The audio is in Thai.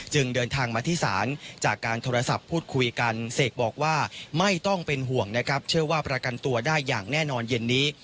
เดินทางมาที่ศาลจากการโทรศัพท์พูดคุยกันเสกบอกว่าไม่ต้องเป็นห่วงนะครับเชื่อว่าประกันตัวได้อย่างแน่นอนเย็นนี้